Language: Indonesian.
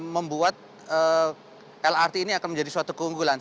ini yang membuat lrt ini akan menjadi suatu keunggulan